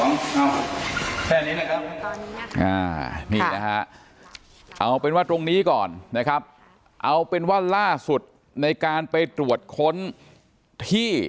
เอาแค่นี้นะครับนี่นะฮะเอาเป็นว่าตรงนี้ก่อนนะครับเอาเป็นว่าล่าสุดในการไปตรวจค้นที่